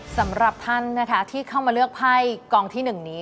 สำหรับท่านนะคะที่เข้ามาเลือกไพ่กองที่๑นี้